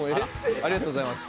ありがとうございます。